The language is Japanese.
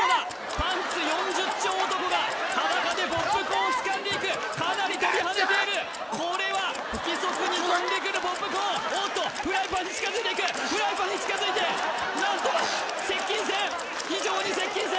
パンツ４０丁男が裸でポップコーンをつかんでいくかなり飛び跳ねているこれは不規則に飛んでくるポップコーンおおっとフライパンに近づいていくフライパンに近づいて何と接近戦